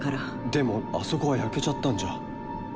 でもあそこは焼けちゃったんじゃ。